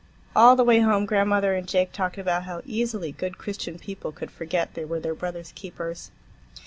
All the way home grandmother and Jake talked about how easily good Christian people could forget they were their brothers' keepers.